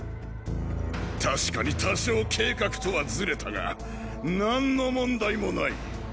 確かに多少計画とはずれたが何の問題もない！